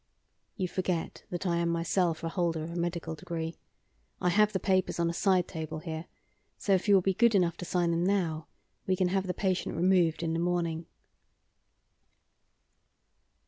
"You forget that I am myself a holder of a medical degree. I have the papers on a side table here, so if you will be good enough to sign them now, we can have the patient removed in the morning."